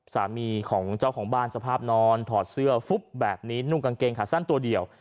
สามีของเจ้าของบ้านสภาพนอนถอดเสื้อฟุบแบบนี้นุ่งกางเกงขาสั้นตัวเดียว